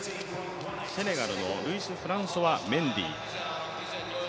セネガルのルイスフランソワ・メンディー。